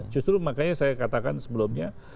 justru makanya saya katakan sebelumnya